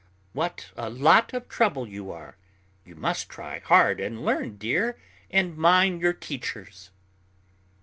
"What a lot of trouble you are. You must try hard and learn, dear, and mind your teachers."